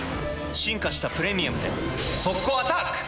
進化した「プレミアム」で速攻アタック！